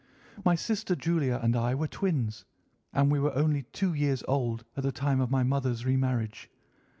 My sister Julia and I were twins, and we were only two years old at the time of my mother's re marriage.